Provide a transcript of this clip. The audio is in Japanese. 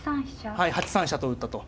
はい８三飛車と打ったと。